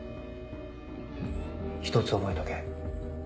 １つ覚えとけ。